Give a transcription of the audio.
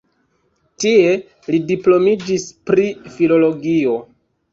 Tie li diplomiĝis pri filologio.